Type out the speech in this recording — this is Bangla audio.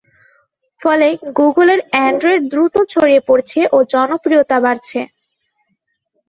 ফলে গুগলের অ্যান্ড্রয়েড দ্রুত ছড়িয়ে পড়ছে ও জনপ্রিয়তা বাড়ছে।